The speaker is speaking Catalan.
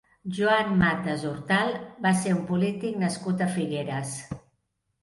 Joan Matas Hortal va ser un polític nascut a Figueres.